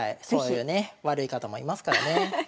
そういうね悪い方もいますからね。